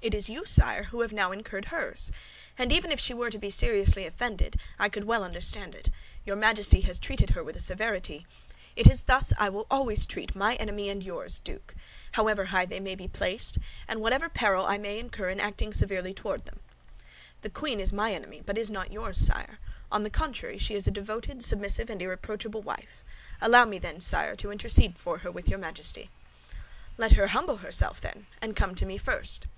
"It is you, sire, who have now incurred hers. And even if she were to be seriously offended, I could well understand it; your Majesty has treated her with a severity—" "It is thus I will always treat my enemies and yours, Duke, however high they may be placed, and whatever peril I may incur in acting severely toward them." "The queen is my enemy, but is not yours, sire; on the contrary, she is a devoted, submissive, and irreproachable wife. Allow me, then, sire, to intercede for her with your Majesty." "Let her humble herself, then, and come to me first."